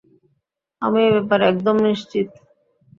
আমি এই ব্যাপারে একদম নিশ্চিত।